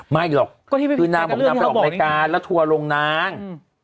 ไม่หรอกน้ำเค้าไปออกรายการแล้วทัวร์ลงนาง